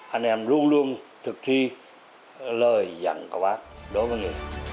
anh em luôn luôn thực thi lời dặn của bác đối với người